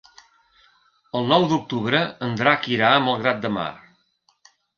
El nou d'octubre en Drac irà a Malgrat de Mar.